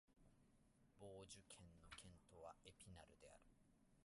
ヴォージュ県の県都はエピナルである